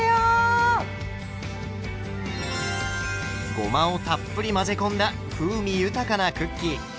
ごまをたっぷり混ぜ込んだ風味豊かなクッキー。